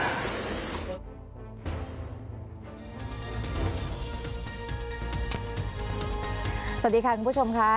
สวัสดีค่ะคุณผู้ชมค่ะ